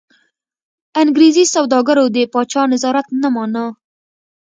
انګرېزي سوداګرو د پاچا نظارت نه مانه.